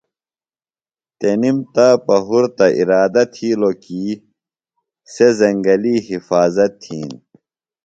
تنِم تا پُہرتہ اِرادہ تِھیلوۡ کی سےۡ زنگلی حِفاظت تِھین۔